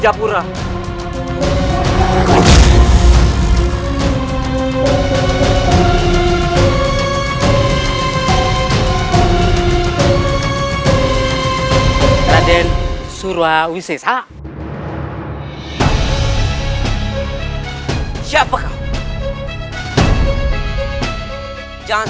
aku akan menang